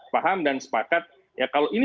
paham dan sepakat ya kalau ini